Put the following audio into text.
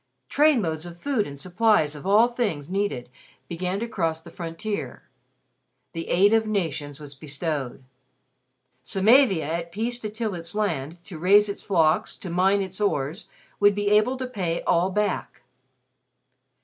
Train loads of food and supplies of all things needed began to cross the frontier; the aid of nations was bestowed. Samavia, at peace to till its land, to raise its flocks, to mine its ores, would be able to pay all back.